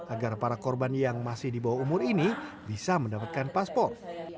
agar para korban yang masih di bawah umur ini bisa mendapatkan paspor